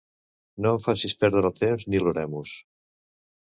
No em facis perdre el temps ni l'oremus.